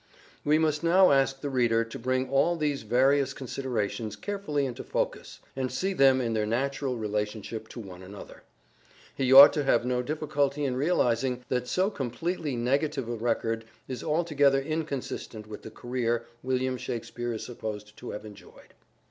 We must now ask the reader to bring all these shakspere various considerations carefully into focus, and see and <:ontem" J poranes. them in their natural relationship to one another. He ought to have no difficulty in realizing that so completely negative a record is altogether inconsistent with the career William Shakspere is supposed to have enjoyed.